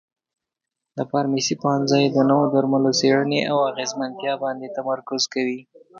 د فارمسي پوهنځی د نوو درملو څېړنې او اغیزمنتیا باندې تمرکز کوي.